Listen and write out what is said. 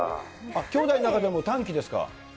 きょうだいの中でも短気ですか？